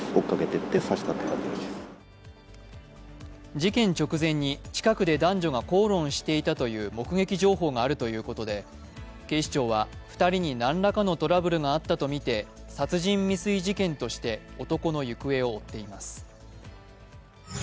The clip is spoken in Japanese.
事件直前に近くで男女が口論していたという目撃情報があるということで警視庁は２人に何らかのトラブルがあったとみて殺人未遂事件として男の行方を追っています。